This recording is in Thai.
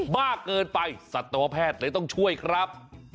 มากเกินไปสัตวแพทย์เลยต้องช่วยครับ